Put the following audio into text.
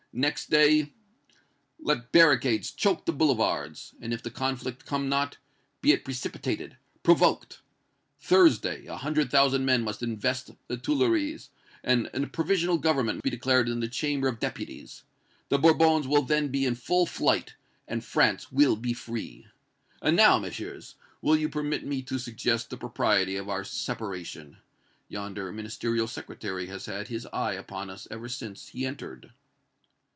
Next day let barricades choke the Boulevards; and, if the conflict come not, be it precipitated provoked! Thursday, an hundred thousand men must invest the Tuileries, and a Provisional Government be declared in the Chamber of Deputies! The Bourbons will then be in full flight, and France will be free! And now, Messieurs, will you permit me to suggest the propriety of our separation? Yonder Ministerial Secretary has had his eye upon us ever since he entered."